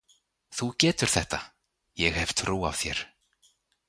Þú getur þetta, ég hef trú á þér.